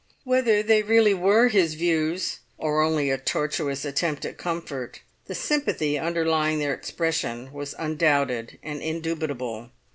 Whether they really were his views, or only a tortuous attempt at comfort, the sympathy underlying their expression was undoubted and indubitable.